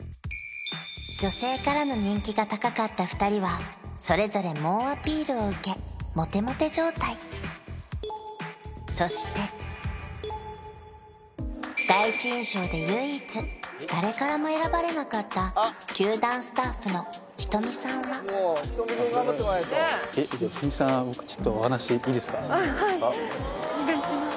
女性からの人気が高かった２人はそれぞれ猛アピールを受けモテモテ状態そして第一印象で唯一誰からも選ばれなかった球団スタッフの人見さんはあはいお願いします